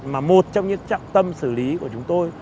mà một trong những trọng tâm xử lý của chúng tôi